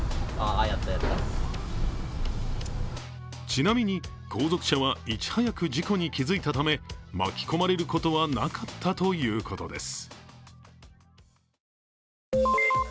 ちなみに、後続車はいち早く事故に気づいたため、巻き込まれることはなかったということです。